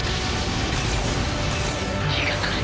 逃がさない。